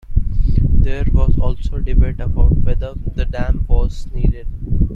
There was also debate about whether the dam was needed.